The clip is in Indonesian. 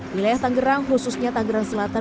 wilayah tangerang khususnya tangerang selatan